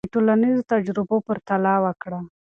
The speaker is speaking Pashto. د ټولنیزو تجربو پرتله وکړه.